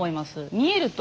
見えると。